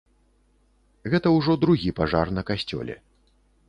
Гэта ўжо другі пажар на касцёле.